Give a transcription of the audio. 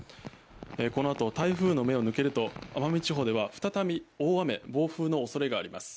このあと、台風の目を抜けると奄美地方では再び大雨・暴風の恐れがあります。